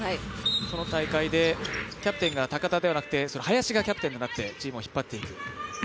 その大会でキャプテンが高田ではなくて林がキャプテンとなってチームを引っ張っていった。